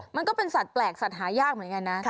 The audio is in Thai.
มันก็เป็นสัตว์แปลกสัตว์หายากเหมือนกันนะ